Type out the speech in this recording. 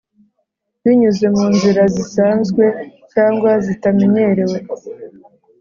Binyuze mu nzira zisanzwe cyangwa zitamenyerewe